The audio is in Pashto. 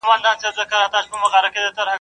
د پيشي چي نفس تنگ سي، د زمري جنگ کوي.